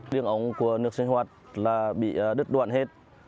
đường ống của nước sinh hoạt là bị đứt đoạn hết